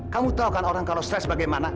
kamu tau kan orang kalau stres bagaimana